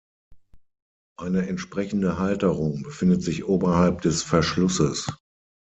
Eine entsprechende Halterung befindet sich oberhalb des Verschlusses.